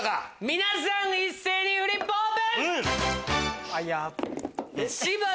皆さん一斉にフリップオープン！